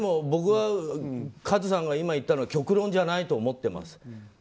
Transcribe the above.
僕は和津さんが今言ったのは極論じゃないと思ってます。